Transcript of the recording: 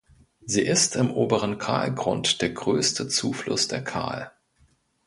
Sie ist im Oberen Kahlgrund der größte Zufluss der Kahl.